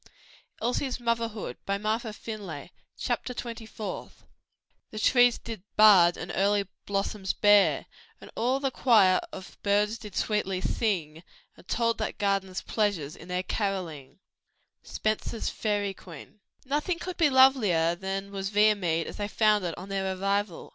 "The fields did laugh, the flowers did freshly spring, The trees did bud and early blossoms bear, And all the quire of birds did sweetly sing, And told that garden's pleasures in their caroling." SPENSER'S FAERY QUEEN Nothing could be lovelier than was Viamede as they found it on their arrival.